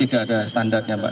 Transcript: tidak ada standarnya pak